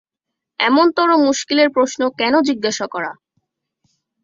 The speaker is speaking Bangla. এমনতরো মুশকিলের প্রশ্ন কেন জিজ্ঞাসা করা?